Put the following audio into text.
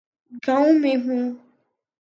گاؤں میں ہوں۔